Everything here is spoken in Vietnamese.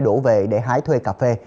từ khắp nơi đổ về để hái thuê cà phê